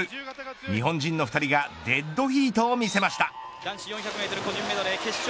日本人の２人がデッドヒートを見せました。